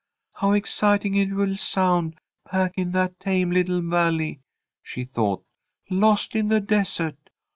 "How exciting it will sound back in that tame little Valley," she thought, "lost in the desert!